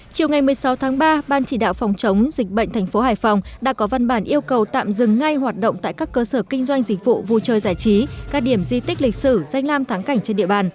chiều ngày một mươi sáu tháng ba ban chỉ đạo phòng chống dịch bệnh thành phố hải phòng đã có văn bản yêu cầu tạm dừng ngay hoạt động tại các cơ sở kinh doanh dịch vụ vui chơi giải trí các điểm di tích lịch sử danh lam thắng cảnh trên địa bàn